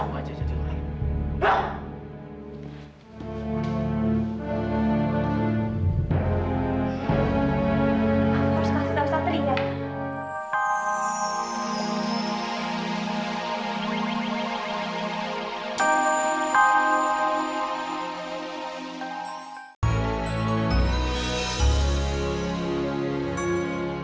apakah itu orang tuanya santri ya